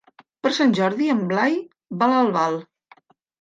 Per Sant Jordi en Blai va a Albal.